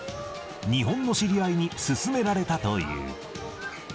日本の知り合いに勧められたという。